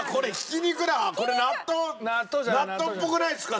納豆っぽくないですか？